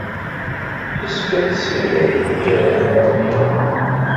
Yessefk ad nessiwel iɣef ɣer yiɣef.